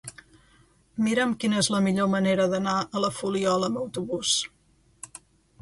Mira'm quina és la millor manera d'anar a la Fuliola amb autobús.